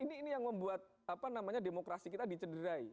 ini yang membuat demokrasi kita dicederai